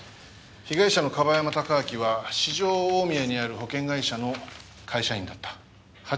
被害者の樺山貴明は四条大宮にある保険会社の会社員だった。